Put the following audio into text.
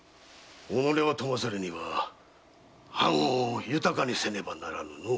己を富ませるには藩を豊かにせねばならぬのう。